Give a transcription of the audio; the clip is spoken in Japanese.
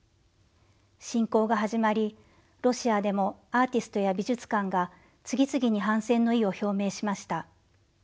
侵攻が始まりロシアでもアーティストや美術館が次々に反戦の意を表明しました。